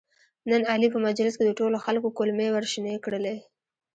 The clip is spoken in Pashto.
نن علي په مجلس کې د ټولو خلکو کولمې ورشنې کړلې.